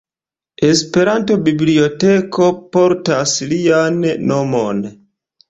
Esperanto-biblioteko portas lian nomon.